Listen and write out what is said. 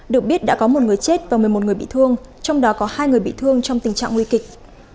được biết đã có một người chết và một mươi một người bị thương trong đó có hai người bị thương trong tình trạng nguy kịch